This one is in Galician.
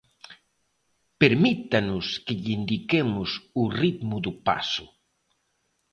Permítanos que lle indiquemos o ritmo do paso.